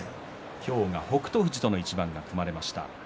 今日は北勝富士との一番が組まれました。